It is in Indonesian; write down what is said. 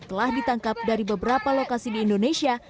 telah ditangkap dari beberapa lokasi di indonesia